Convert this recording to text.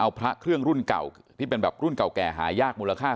เอาพระเครื่องรุ่นเก่าที่เป็นแบบรุ่นเก่าแก่หายากมูลค่า